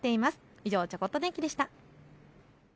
以上、ちょっと天気でした。